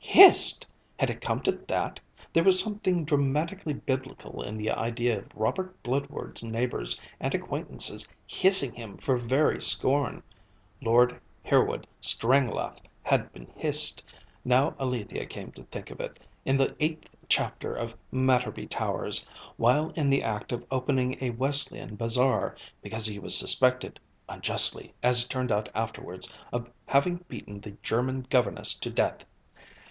Hissed! Had it come to that? There was something dramatically biblical in the idea of Robert Bludward's neighbours and acquaintances hissing him for very scorn. Lord Hereward Stranglath had been hissed, now Alethia came to think of it, in the eighth chapter of Matterby Towers, while in the act of opening a Wesleyan bazaar, because he was suspected (unjustly as it turned out afterwards) of having beaten the German governess to death.